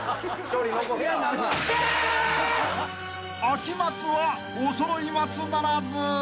［秋松はおそろい松ならず］